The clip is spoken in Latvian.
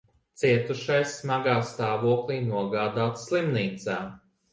Cietušais smagā stāvoklī nogādāts slimnīcā.